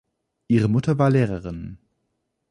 Ihre Mutter war Lehrerin.